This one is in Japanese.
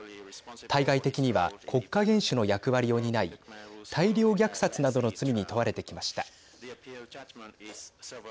対外的には国家元首の役割を担い大量虐殺などの罪に問われてきました。